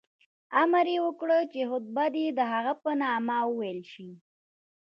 امر یې وکړ چې خطبه دې د هغه په نامه وویل شي.